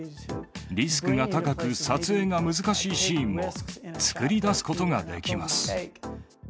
リスクが高く、撮影が難しいシーンも、作り出すことができます。